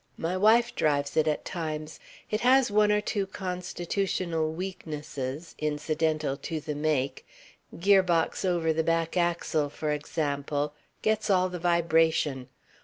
My wife drives it at times. It has one or two constitutional weaknesses incidental to the make gear box over the back axle for example gets all the vibration.